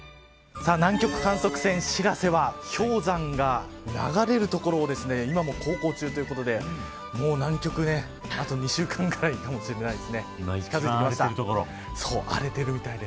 さあ、南極観測船しらせは氷山が流れる所を今も航行中ということで南極、あと２週間ぐらいかもしれないですね。